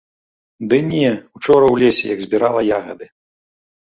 Ды не, учора ў лесе, як збірала ягады.